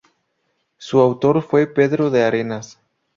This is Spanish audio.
Su autor fue Pedro de Arenas.